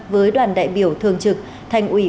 với đoàn đại biểu thường trực thành ủy